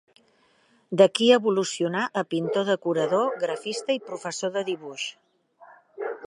D'aquí evolucionà a pintor decorador, grafista i professor de dibuix.